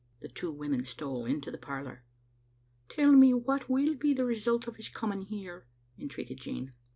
The two women stole into the parlor. " Tell me what will be the result o' his coming here," entreated Jean.